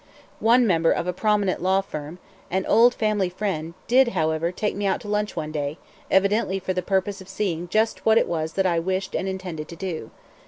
One member of a prominent law firm, an old family friend, did, however, take me out to lunch one day, evidently for the purpose of seeing just what it was that I wished and intended to do.